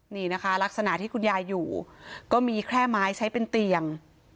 นี่นะคะลักษณะที่คุณยายอยู่ก็มีแค่ไม้ใช้เป็นเตียง